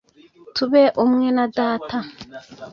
tube ubumwe na data.